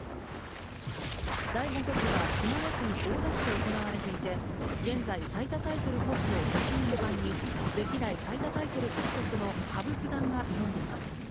第５局は島根県大田市で行われていて、現在、最多タイトル保持の藤井五冠に、歴代最多タイトル獲得の羽生九段が挑んでいます。